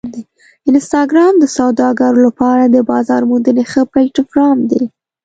انسټاګرام د سوداګرو لپاره د بازار موندنې ښه پلیټفارم دی.